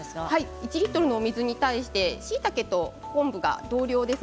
１リットルの水に対してしいたけと昆布が同量です。